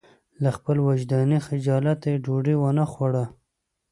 له خپل وجداني خجالته یې ډوډۍ ونه خوړه.